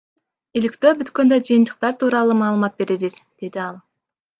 Иликтөө бүткөндө жыйынтыктар тууралуу маалымат беребиз, — деди ал.